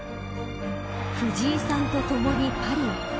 藤井さんと共にパリへ。